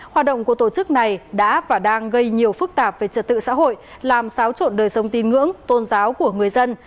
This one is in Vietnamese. hoạt động của tổ chức này đã và đang gây nhiều phức tạp về trật tự xã hội làm xáo trộn đời sống tin ngưỡng tôn giáo của người dân